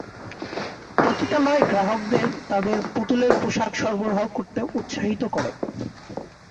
পতিতালয় গ্রাহকদের তাদের পুতুলের পোশাক সরবরাহ করতে উৎসাহিত করে।